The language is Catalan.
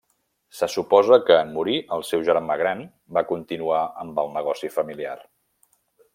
Se suposa que en morir el seu germà gran va continuar amb el negoci familiar.